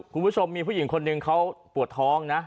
คุณผู้ชมมีผู้หญิงคนหนึ่งเขาปวดท้องนะ